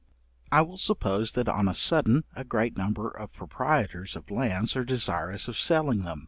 I will suppose, that on a sudden, a great number of proprietors of lands are desirous of selling them.